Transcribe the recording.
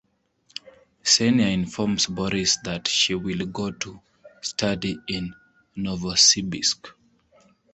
Ksenia informs Boris that she will go to study in Novosibirsk.